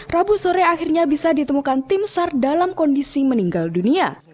rabu sore akhirnya bisa ditemukan tim sar dalam kondisi meninggal dunia